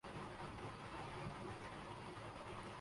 بنگلہ دیش کے دینی اداروں اور نصاب پر اتھارٹی تھے۔